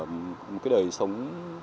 một cái đời sống